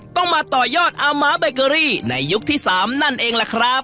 ต้องมาต่อยอดอาม้าเบเกอรี่ในยุคที่๓นั่นเองล่ะครับ